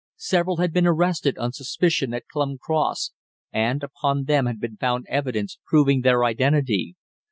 Several had been arrested on suspicion at Clun Cross, and upon them had been found evidence proving their identity.